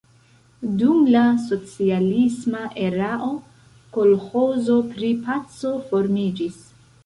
Dum la socialisma erao kolĥozo pri "Paco" formiĝis.